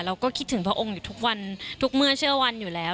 เราก็คิดถึงพระองค์อยู่ทุกวันทุกเมื่อเชื่อวันอยู่แล้ว